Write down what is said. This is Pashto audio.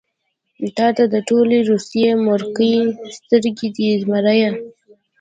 تاته د ټولې روسيې مورکۍ سترګې دي زمريه.